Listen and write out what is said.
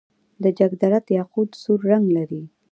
د جګدلک یاقوت سور رنګ لري.